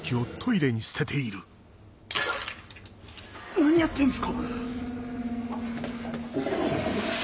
何やってるんですか！